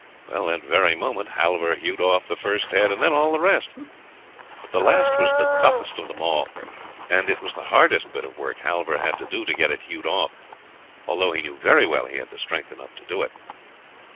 That very moment Halvor hewed off the first head and then all the rest; but the last was the toughest of them all, and it was the hardest bit of work Halvor had to do, to get it hewn off, although he knew very well he had strength enough to do it.